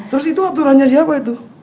terus itu aturannya siapa itu